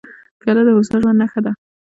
پیاله د هوسا ژوند نښه ده.